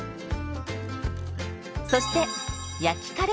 そして焼きカレーパンも。